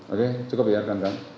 oke cukup ya rekan rekan